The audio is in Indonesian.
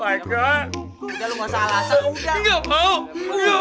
udah lo gak usah alasan udah